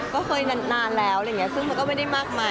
เคยนานแล้วซึ่งมันก็ไม่ได้มากมาย